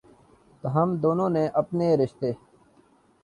تاہم دونوں نے اپنے رشتے